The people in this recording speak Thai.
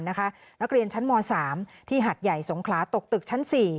นักเรียนชั้นม๓ที่หัดใหญ่สงขลาตกตึกชั้น๔